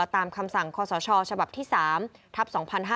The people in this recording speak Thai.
ตามคำสั่งคศฉบับที่๓ทัพ๒๕๕๙